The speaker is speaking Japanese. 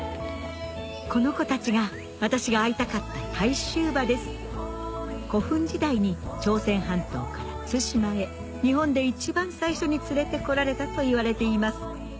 この子たちが私が会いたかった古墳時代に朝鮮半島から対馬へ日本で一番最初に連れてこられたといわれています